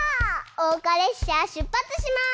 おうかれっしゃしゅっぱつします！